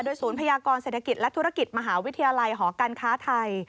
ศูนย์พยากรเศรษฐกิจและธุรกิจมหาวิทยาลัยหอการค้าไทย